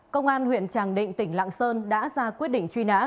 công an huyện tràng định tỉnh lạng sơn đã ra quyết định truy nã